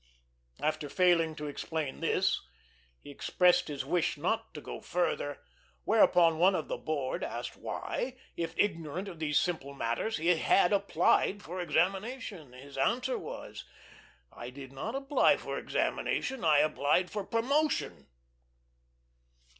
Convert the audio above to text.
After failing to explain this, he expressed his wish not to go further; whereupon one of the board asked why, if ignorant of these simple matters, he had applied for examination. His answer was, "I did not apply for examination, I applied for promotion."